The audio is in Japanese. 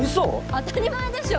当たり前でしょ！